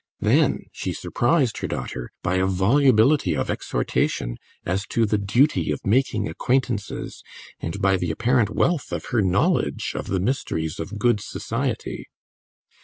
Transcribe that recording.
Then she surprised her daughter by a volubility of exhortation as to the duty of making acquaintances, and by the apparent wealth of her knowledge of the mysteries of good society.